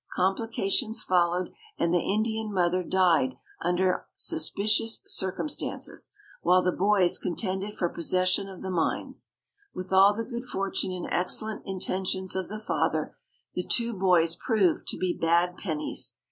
Complications followed, and the Indian mother died under suspicious circumstances, while the boys contended for possession of the mines. With all the good fortune and excellent intentions of the father the two boys proved to be bad Pennies.